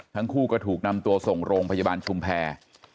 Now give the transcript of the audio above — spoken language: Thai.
ทั้งคู่ก็ถูกนำตัวส่งโรงพยาบาลชุมแพร